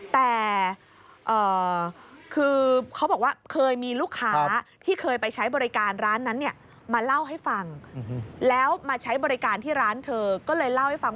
แต่คือเขาบอกว่าเคยมีลูกค้าที่เคยไปใช้บริการร้านนั้นมาเล่าให้ฟัง